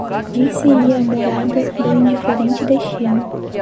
Dir-se-ia a morada do indiferente Destino.